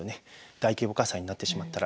大規模火災になってしまったら。